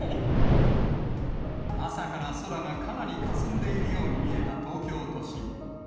朝から空がかなりかすんでいるように見えた東京都心。